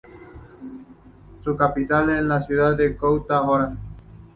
Su capital es la ciudad de Kutná Hora.